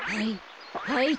はい。